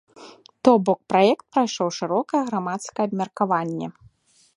То бок, праект прайшоў шырокае грамадскае абмеркаванне.